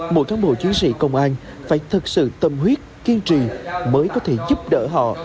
một tháng bộ chiến sĩ công an phải thực sự tâm huyết kiên trì mới có thể giúp đỡ họ